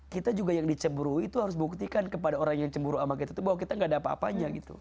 kita juga yang dicemburu itu harus buktikan kepada orang yang cemburu sama kita itu bahwa kita gak ada apa apanya gitu